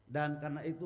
dan karena itu